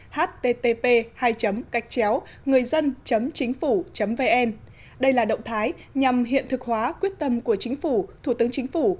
http ngườidân chínhphủ vn đây là động thái nhằm hiện thực hóa quyết tâm của chính phủ thủ tướng chính phủ